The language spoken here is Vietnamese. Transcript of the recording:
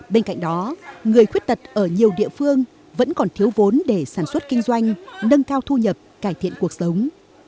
bên cạnh đó người khuyết tật ở nhiều địa phương vẫn còn thiếu vốn để sản xuất kinh doanh nâng cao thu nhập cải thiện cuộc sống